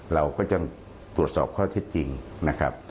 เราก็จะตรวจสอบข้อเท็จจริงนะครับ